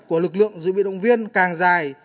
của lực lượng dự bị động viên càng dài